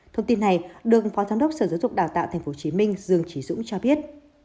thông tin này được phó giám đốc sở giáo dục đào tạo tp hcm dương trí dũng cho biết